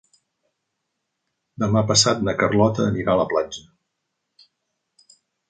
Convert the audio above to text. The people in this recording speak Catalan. Demà passat na Carlota anirà a la platja.